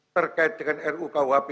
terkait dengan ruu kuhp